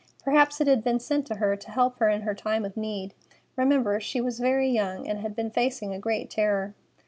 Perhaps it had been sent to her to help her in her time of need. Remember, she was very young, and had been facing a great terror.